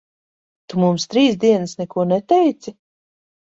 Tu mums trīs dienas neko neteici?